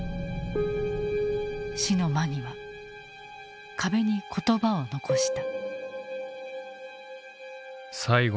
死の間際壁に言葉を残した。